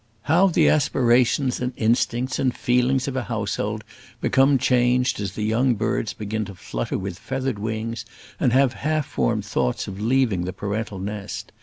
How the aspirations, and instincts, and feelings of a household become changed as the young birds begin to flutter with feathered wings, and have half formed thoughts of leaving the parental nest!